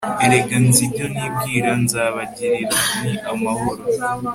Erega nzi ibyo nibwira nzabagirira Ni amahoro